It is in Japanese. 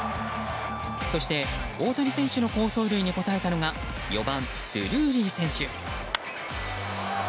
そして大谷選手の好走塁に応えたのが４番、ドゥルーリー選手。